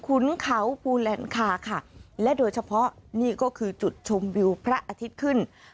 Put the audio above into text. ขุนเขาภูแลนคาค่ะและโดยเฉพาะนี่ก็คือจุดชมวิวพระอาทิตย์ขึ้น